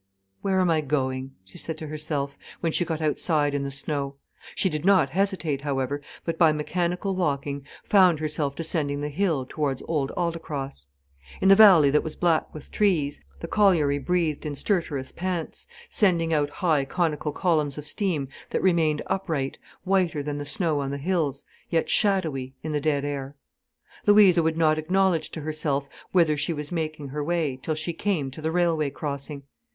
"Where am I going?" she said to herself, when she got outside in the snow. She did not hesitate, however, but by mechanical walking found herself descending the hill towards Old Aldecross. In the valley that was black with trees, the colliery breathed in stertorous pants, sending out high conical columns of steam that remained upright, whiter than the snow on the hills, yet shadowy, in the dead air. Louisa would not acknowledge to herself whither she was making her way, till she came to the railway crossing.